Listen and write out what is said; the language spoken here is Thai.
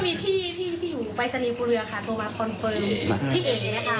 ก็มีพี่ที่อยู่ปลายสนียภูเรือค่ะพูดมาคอนเฟิร์มพี่เอ๋